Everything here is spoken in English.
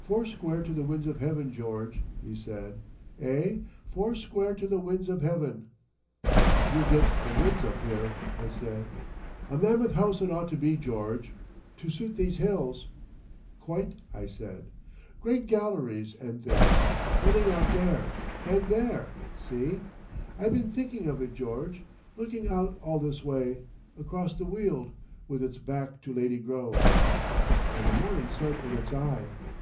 "Four square to the winds of heaven, George!" he said. "Eh? Four square to the winds of heaven!" "You'll get the winds up here," I said. "A mammoth house it ought to be, George—to suit these hills." "Quite," I said. "Great galleries and things—running out there and there—See? I been thinking of it, George! Looking out all this way—across the Weald. With its back to Lady Grove." "And the morning sun in its eye."